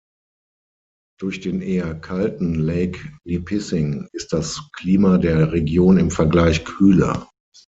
Durch den eher kalten Lake Nipissing ist das Klima der Region im Vergleich kühler.